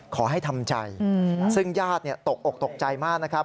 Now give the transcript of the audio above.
ขอให้ทำใจซึ่งญาติตกอกตกใจมากนะครับ